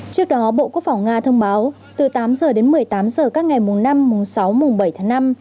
trước đó bộ quốc phòng nga thông báo từ tám h đến một mươi tám h các ngày mùng năm mùng sáu mùng bảy tháng năm